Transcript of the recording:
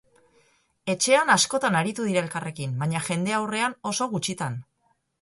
Etxean askotan aritu dira elkarrekin, baina jendaurrean oso gutxitan.